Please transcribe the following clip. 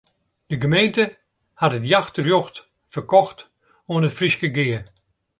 De gemeente hat it jachtrjocht ferkocht oan it Fryske Gea.